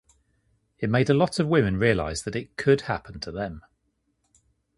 It made a lot of women realize that it could happen to them.